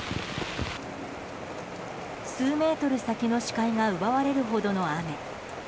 数メートル先の視界が奪われるほどの雨。